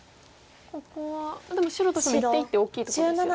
ここはでも白としても一手一手大きいところですよね。